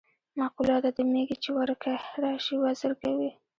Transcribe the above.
مقوله ده: د میږي چې ورکه راشي وزر کوي.